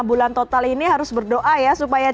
bulan total ini harus berdoa ya supaya